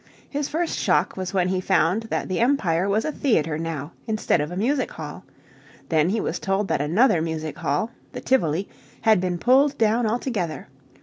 His first shock was when he found that the Empire was a theatre now instead of a music hall. Then he was told that another music hall, the Tivoli, had been pulled down altogether.